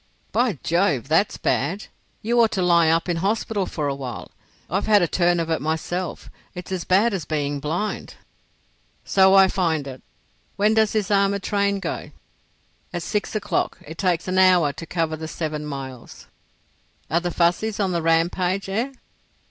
"By Jove! that's bad. You ought to lie up in hospital for a while. I've had a turn of it myself. It's as bad as being blind." "So I find it. When does this armoured train go?" "At six o'clock. It takes an hour to cover the seven miles." "Are the Fuzzies on the rampage—eh?"